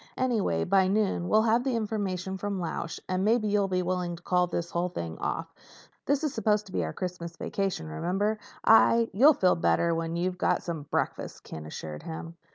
"Anyway, by noon we'll have the information from Lausch and maybe you'll be willing to call this whole thing off. This is supposed to be our Christmas vacation, remember? I—" "You'll feel better when you've had some breakfast," Ken assured him.